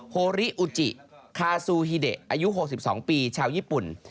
โฮริอุจิคาซูฮิเดะอายุ๖๒ปีชาวญี่ปุ่น